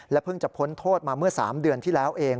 เพิ่งจะพ้นโทษมาเมื่อ๓เดือนที่แล้วเอง